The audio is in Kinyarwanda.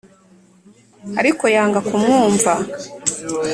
Ariko yanga kumwumva.